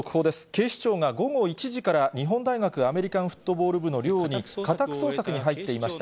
警視庁が午後１時から、日本大学アメリカンフットボール部の寮に家宅捜索に入っていまし